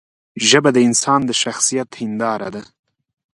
ژبه د انسان د شخصیت هنداره ده